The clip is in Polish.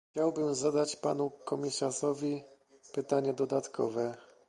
Chciałbym zadać panu komisarzowi pytanie dodatkowe